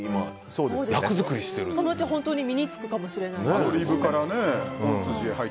そのうち本当に身に着くかもしれないですし。